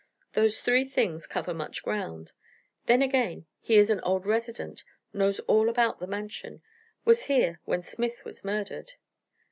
Those three things cover much ground. Then, again, he is an old resident, knows all about the Mansion, was here when Smith was murdered."